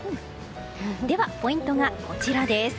では、ポイントはこちら。